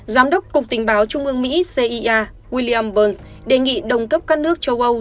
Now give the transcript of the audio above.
giám đốc cục tình báo trung ương mỹ cia william burns đề nghị đồng cấp các nước châu âu